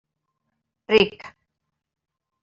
Ric.